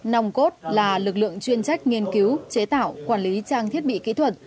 nòng cốt là lực lượng chuyên trách nghiên cứu chế tạo quản lý trang thiết bị kỹ thuật